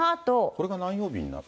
これが何曜日になる？